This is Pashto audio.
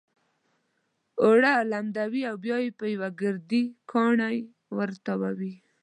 اوړه لمدوي او بيا يې پر يو ګردي کاڼي را تاووي.